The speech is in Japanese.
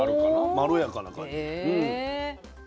まろやかな感じ。